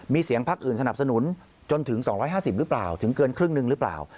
มีเสียงพักอื่นสนับสนุนจนถึง๒๕๐หรือเปล่าถึงเกินครึ่งหนึ่งหรือเปล่า